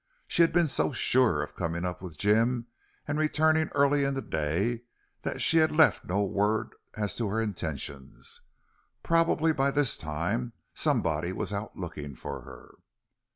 She had been so sure of coming up with Jim and returning early in the day that she had left no word as to her intentions. Probably by this time somebody was out looking for her.